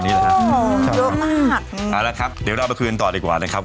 เอาละครับเดี๋ยวเราไปคืนต่อดีกว่านะครับ